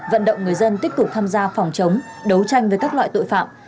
vận động người dân tích cực tham gia phòng chống đấu tranh với các loại tội phạm